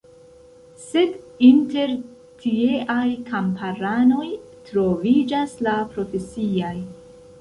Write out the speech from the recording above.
Sed, inter tieaj kamparanoj troviĝas la profesiaj.